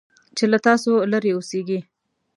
چې له تاسو لرې اوسيږي .